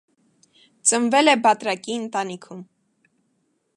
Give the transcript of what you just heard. Ծնվել է բատրակի ընտանիքում։